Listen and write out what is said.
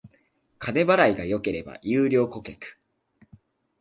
金払いが良ければ優良顧客